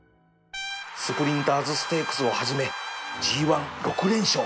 スプリンターズステークスをはじめ ＧⅠ６ 連勝